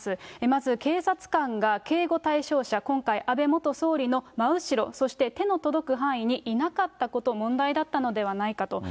まず警察官が警護対象者、今回、安倍元総理の真後ろ、そして、手の届く範囲にいなかったこと、問題だったのではないかと。